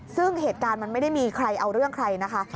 ซึ่งเหตุการณ์มันไม่ได้มีใครเอาเรื่องใครนะคะ